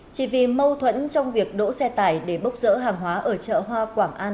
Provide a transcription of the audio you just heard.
chỉ vì mâu thuẫn trong việc đỗ xe tải để bốc rỡ hàng hóa ở chợ hoa quảng an